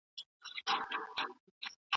زه هره ورځ د درسونو لپاره ليکنه کوم.